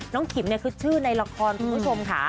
ขิมคือชื่อในละครคุณผู้ชมค่ะ